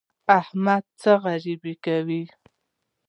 احمده! څه غريبي کوې؟